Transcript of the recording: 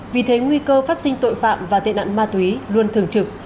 vì thế nguy cơ phát sinh tội phạm và tệ nạn ma túy luôn thường trực